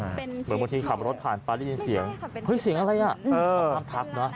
เหมือนบางทีขับรถผ่านป๊าได้ยินเสียงเฮ้ยเสียงอะไรน่ะ